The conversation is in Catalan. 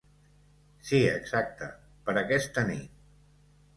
Si exacte, per aquesta nit.